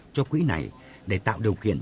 cho quỹ này để tạo điều kiện